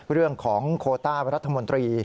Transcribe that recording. เรื่องของโคต้ารัฐมนตรี